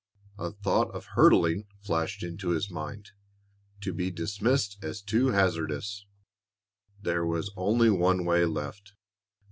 A thought of hurdling flashed into his mind, to be dismissed as too hazardous. There was only one way left.